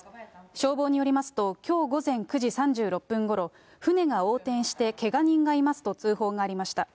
消防によりますと、きょう午前９時３６分ごろ、船が横転してけが人がいますと通報がありました。